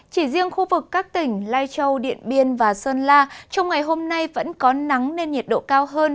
chỉ riêng khu vực các tỉnh lai châu điện biên và sơn la trong ngày hôm nay vẫn có nắng nên nhiệt độ cao hơn